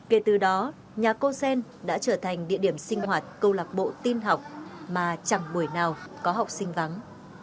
kể từ đó nhà cô xen đã trở thành địa điểm sinh hoạt câu lạc bộ tin học mà chẳng buổi nào có học sinh vắng